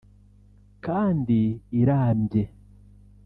kandi irambye